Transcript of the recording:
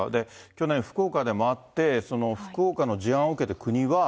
去年、福岡でもあって、その福岡の事案を受けて国は。